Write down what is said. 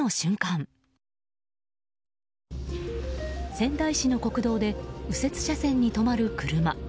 仙台市の国道で右折車線に止まる車。